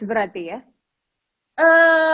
berarti ya ee